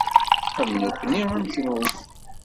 Am nekni, am kenwi.